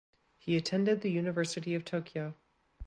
He attended the University of Tokyo.